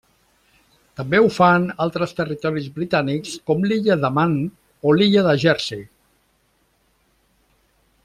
També ho fan altres territoris britànics com l'Illa de Man o l'Illa de Jersey.